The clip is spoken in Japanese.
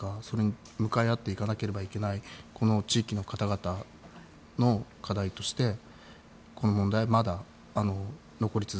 それに向かい合っていかなければいけないこの地域の方々の課題として